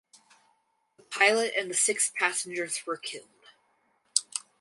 The pilot and the six passengers were killed.